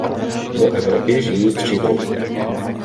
V Evropě žijí tři druhy.